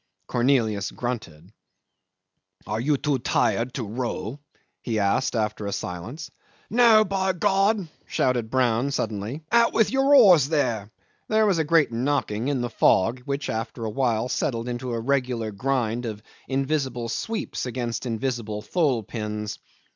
Cornelius grunted. "Are you too tired to row?" he asked after a silence. "No, by God!" shouted Brown suddenly. "Out with your oars there." There was a great knocking in the fog, which after a while settled into a regular grind of invisible sweeps against invisible thole pins.